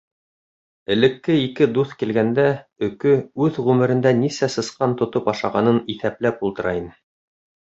Элекке ике дуҫ килгәндә, өкө үҙ ғүмерендә нисә сысҡан тотоп ашағанын иҫәпләп ултыра ине.